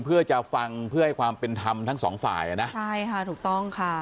เพื่อให้ความเป็นธรรมทั้ง๒ฝ่ายนะ